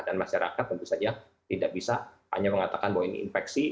dan masyarakat tentu saja tidak bisa hanya mengatakan bahwa ini infeksi